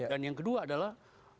dan yang kedua adalah